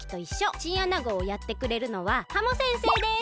チンアナゴをやってくれるのはハモ先生です。